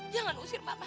jangan usir mama